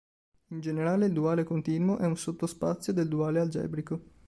In generale il duale continuo è un sottospazio del duale algebrico.